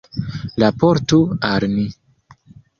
Raportu al ni.